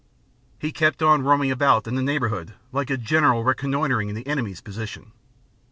He kept on roaming about in the neighbourhood like a general reconnoitring the enemy's position.